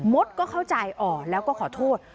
ดก็เข้าใจอ่อนแล้วก็ขอโทษ